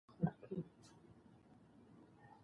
نظري مباحث